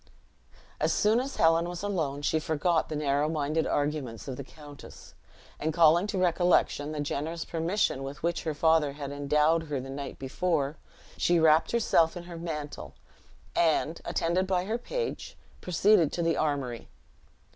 As soon as Helen was alone, she forgot the narrow minded arguments of the countess; and calling to recollection the generous permission with which her father had endowed her the night before, she wrapped herself in her mantle, and, attended by her page, proceeded to the armory.